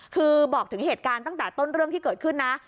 คือบอกถึงเหตุการณ์ตั้งแต่ต้นเรื่องที่เกิดขึ้นนะ